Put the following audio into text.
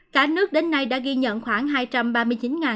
cả nước đến nay đã ghi nhận khoảng hai ca nhiễm